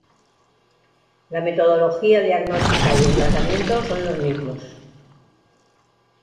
La metodología diagnóstica y el tratamiento son los mismos.